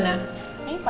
ini pas banget